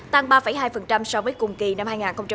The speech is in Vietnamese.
tăng ba hai so với cùng kỳ năm hai nghìn một mươi tám